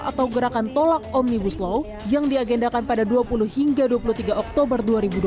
atau gerakan tolak omnibus law yang diagendakan pada dua puluh hingga dua puluh tiga oktober dua ribu dua puluh